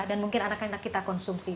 dan mungkin anak anak kita konsumsi